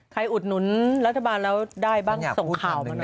อุดหนุนรัฐบาลแล้วได้บ้างส่งข่าวมาหน่อย